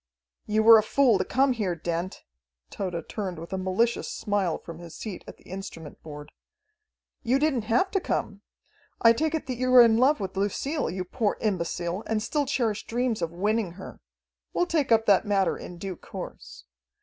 "You were a fool to come here, Dent." Tode turned with a malicious smile from his seat at the instrument board. "You didn't have to come. I take it that you are in love with Lucille, you poor imbecile, and still cherish dreams of winning her. We'll take up that matter in due course.